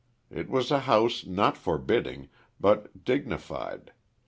It was a house not forbidding, but dignified.